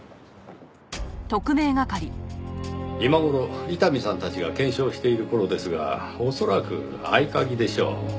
今頃伊丹さんたちが検証している頃ですが恐らく合鍵でしょう。